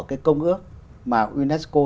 cái công ước mà usco